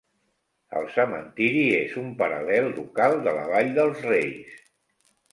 El cementiri és un paral·lel local de la Vall dels Reis.